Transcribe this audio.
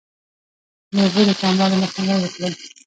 د اوبو د کموالي مخنیوی وکړئ.